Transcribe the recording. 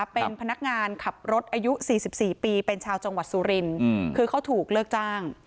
เป็นพนักงานขับรถอายุ๔๔ปีเป็นชาวจังหวัดสุรินคือเขาถูกเลิกจ้าง